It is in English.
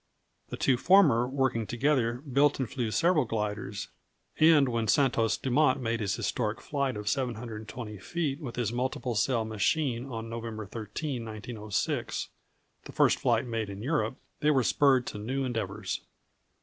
The two former, working together, built and flew several gliders, and when Santos Dumont made his historic flight of 720 feet with his multiple cell machine on November 13, 1906 (the first flight made in Europe), they were spurred to new endeavors.